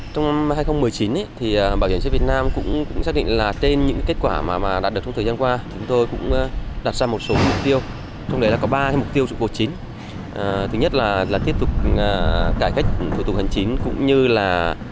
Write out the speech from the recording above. trong năm hai nghìn một mươi chín bảo hiểm xã hội việt nam cũng xác định là trên những kết quả mà đạt được trong thời gian qua